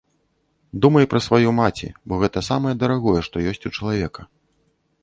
Думай пра сваю маці, бо гэта самае дарагое, што ёсць у чалавека.